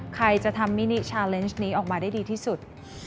ใครจะทำมินิชาเลนส์นี้ออกมาได้ดีที่สุด